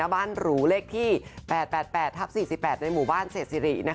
บ้านหรูเล็กที่๘๘๘๔๘ในหมู่บ้านเซศรี